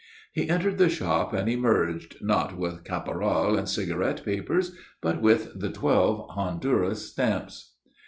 He entered the shop and emerged, not with caporal and cigarette papers, but with the twelve Honduras stamps.